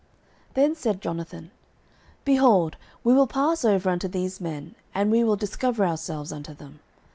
09:014:008 Then said Jonathan, Behold, we will pass over unto these men, and we will discover ourselves unto them.